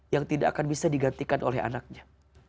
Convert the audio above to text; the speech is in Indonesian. yang tidak akan bisa digantikan oleh anaknya